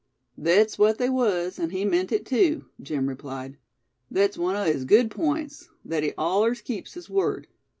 "Thet's what they was; an' he meant it, too," Jim replied. "Thet's one o' his good points, thet he allers keeps his word.